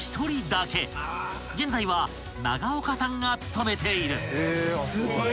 ［現在は永岡さんが務めている］